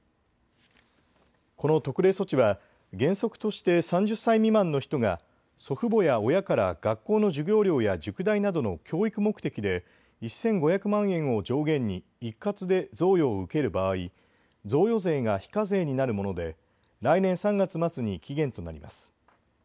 この特例措置は原則として３０歳未満の人が祖父母や親から学校の授業料や塾代などの教育目的で１５００万円を上限に一括で贈与を受ける場合、贈与税が非課税になるもので来年３月末に期限となります。